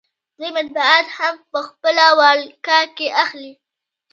دوی مطبوعات هم په خپله ولکه کې اخلي